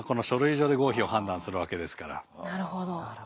なるほど。